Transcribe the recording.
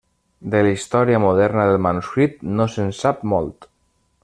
De la història moderna del manuscrit no se'n sap molt.